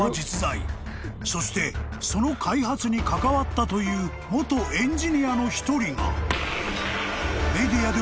［そしてその開発に関わったという元エンジニアの一人がメディアで］